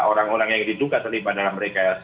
orang orang yang ditungkat tadi pada mereka